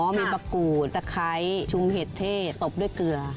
มีมะกรูดตะไคร้ชุงเห็ดเท่ตบด้วยเกลือ